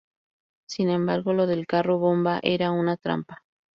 Sin embargo, lo del carro bomba era una trampa.